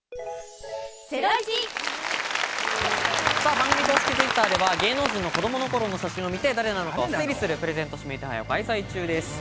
番組公式Ｔｗｉｔｔｅｒでは芸能人の子供の頃の写真を見て誰なのかを推理する、プレゼント指名手配を開催中です。